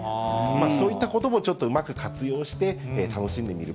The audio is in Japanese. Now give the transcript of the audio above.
そういったこともちょっとうまく活用して、楽しんでみる。